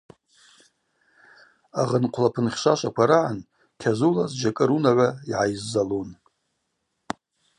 Агъын хъвлапын хьшвашваква рагӏан кьазула зджьакӏы рунагӏва йгӏайззалун.